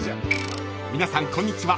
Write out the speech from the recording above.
［皆さんこんにちは